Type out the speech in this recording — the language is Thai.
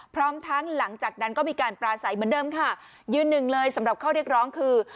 พร้อมทั้งหลังจากนั้นก็มีการปราศัยเหมือนเดิมค่ะยืนหนึ่งเลยสำหรับข้อเรียกร้องคือ